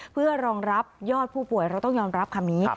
เพื่อรองรับยอดผู้ป่วยเราต้องยอมรับคำนี้